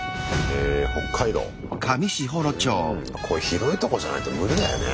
こういう広いとこじゃないと無理だよね。